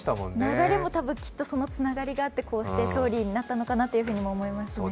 流れもたぶん、きっとそのつながりがあって、こうして勝利になったのかなと思いましたね。